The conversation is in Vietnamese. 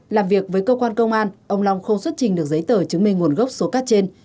làm việc với cơ quan công an ông long không xuất trình được giấy tờ chứng minh nguồn gốc số cát trên